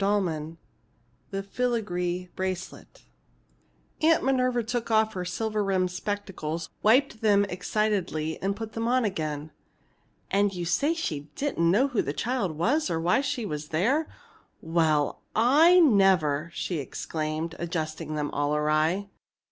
CHAPTER X THE FILIGREE BRACELET Aunt Minerva took off her silver rimmed spectacles, wiped them excitedly, and put them on again. "And she said she didn't know who the child was or why she was there? Well I never!" she exclaimed, adjusting them all awry.